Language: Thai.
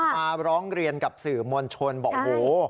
มาร้องเรียนกับสื่อมวลชนบอกโห